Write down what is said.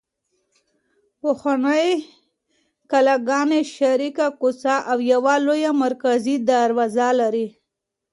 پخوانۍ کلاګانې شریکه کوڅه او یوه لویه مرکزي دروازه لري.